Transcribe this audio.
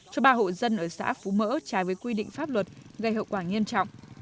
cho ba hộ dân ở xã phú mỡ trái với quy định pháp luật gây hậu quả nghiêm trọng